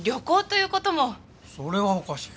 それはおかしい。